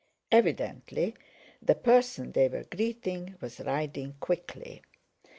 Evidently the person they were greeting was riding quickly.